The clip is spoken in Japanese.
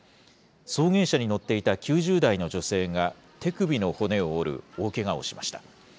送迎車に乗っていた９０代の女性が手首の骨を折る大けがをしました。